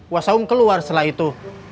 wasaung keluar setelah itu